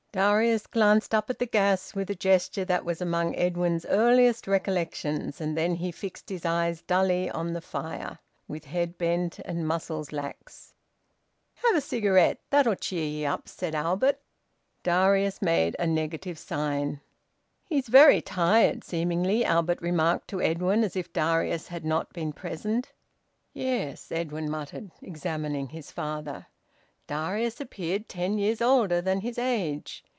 Darius glanced up at the gas, with a gesture that was among Edwin's earliest recollections, and then he fixed his eyes dully on the fire, with head bent and muscles lax. "Have a cigarette that'll cheer ye up," said Albert. Darius made a negative sign. "He's very tired, seemingly," Albert remarked to Edwin, as if Darius had not been present. "Yes," Edwin muttered, examining his father. Darius appeared ten years older than his age.